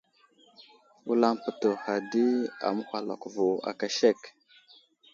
Wulam pətəhha di aməhwalako vo aka sek.